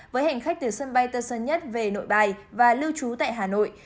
với hành khách từ sân bay tân sân nhất về nội bay và lưu trú tại hà nội